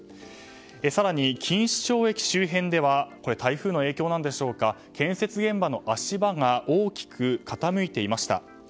更に錦糸町駅周辺では台風の影響なんでしょうか建設現場の足場が大きく傾いていました。